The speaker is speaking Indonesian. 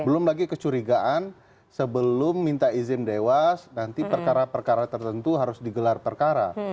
belum lagi kecurigaan sebelum minta izin dewas nanti perkara perkara tertentu harus digelar perkara